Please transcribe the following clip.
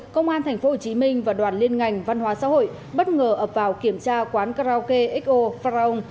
công an tp hcm và đoàn liên ngành văn hóa xã hội bất ngờ ập vào kiểm tra quán karaoke xo fran